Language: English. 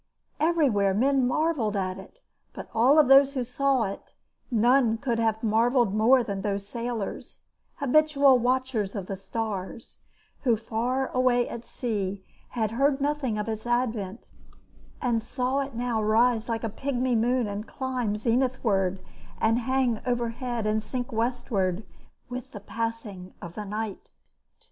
Everywhere men marvelled at it, but of all those who saw it none could have marvelled more than those sailors, habitual watchers of the stars, who far away at sea had heard nothing of its advent and saw it now rise like a pigmy moon and climb zenithward and hang overhead and sink westward with the passing of the night.